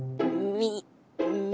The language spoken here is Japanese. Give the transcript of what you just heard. み？